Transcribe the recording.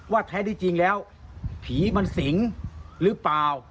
แท้ที่จริงแล้วผีมันสิงหรือเปล่า